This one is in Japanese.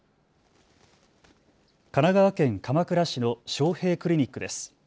神奈川県鎌倉市の章平クリニックです。